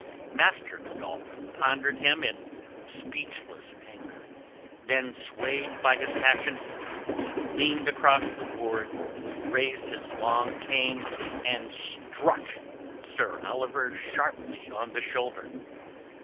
Master Godolphin pondered him in speechless anger, then swayed by his passion he leaned across the board, raised his long cane and struck Sir Oliver sharply on the shoulder.